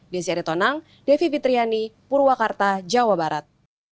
di sini ada ritonang devi fitriani purwakarta jawa barat